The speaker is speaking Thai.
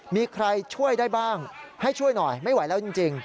มีใครช่วยได้บ้างให้ช่วยหน่อยไม่ไหวแล้วจริง